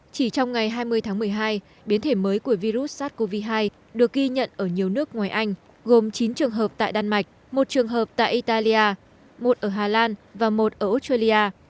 chỉ trong ngày hai mươi tháng một mươi hai biến thể mới của virus sars cov hai được ghi nhận ở nhiều nước ngoài anh gồm chín trường hợp tại đan mạch một trường hợp tại italia một ở hà lan và một ở australia